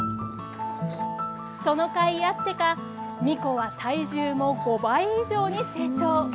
そのかいあってかミコは体重も５倍以上に成長。